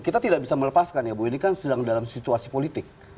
kita tidak bisa melepaskan ya bu ini kan sedang dalam situasi politik